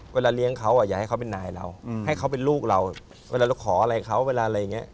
เลี้ยงเขาอยากให้เขาเป็นนายเราให้เขาเป็นลูกเราเวลาเราขออะไรเขาเวลาอะไรอย่างนี้